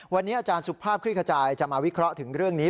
วันนี้อาจารย์สุภาพคลิกขจายจะมาวิเคราะห์ถึงเรื่องนี้